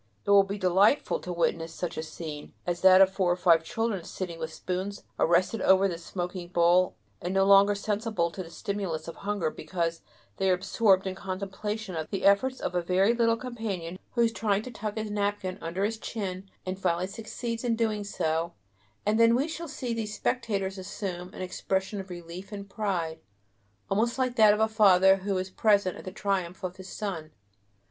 It will be delightful to witness such a scene as that of four or five children sitting with spoons arrested over the smoking bowl, and no longer sensible to the stimulus of hunger because they are absorbed in contemplation of the efforts of a very little companion who is trying to tuck his napkin under his chin, and finally succeeds in doing so; and then we shall see these spectators assume an expression of relief and pride, almost like that of a father who is present at the triumph of his son.